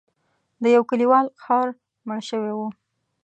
د یو کلیوال خر مړ شوی و.